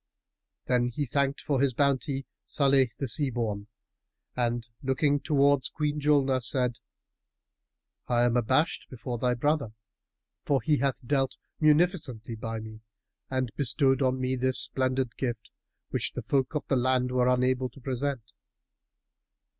Then he thanked for his bounty Salih the Sea born and, looking towards Queen Julnar, said, "I am abashed before thy brother, for that he hath dealt munificently by me and bestowed on me this splendid gift, which the folk of the land were unable to present."